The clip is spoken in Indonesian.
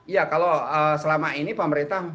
ya kalau selama ini pak meritam